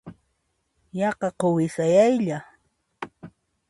Yaqa quwi sayaylla.